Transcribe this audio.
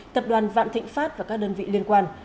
tập đoàn vạn thịnh pháp và các đơn vị liên quan